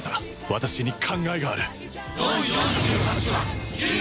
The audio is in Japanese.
私に考えがある。